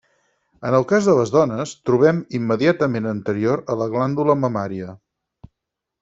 En el cas de les dones, trobem immediatament anterior la glàndula mamària.